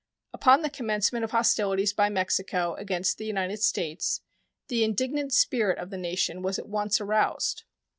Upon the commencement of hostilities by Mexico against the United States the indignant spirit of the nation was at once aroused.